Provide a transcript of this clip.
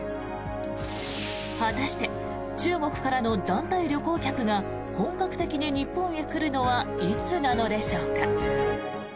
果たして中国からの団体旅行客が本格的に日本へ来るのはいつなのでしょうか。